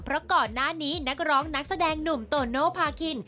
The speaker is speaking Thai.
เพราะก่อนหน้านี้นักร้องนักแสดงหนุ่มโตโนภาคิน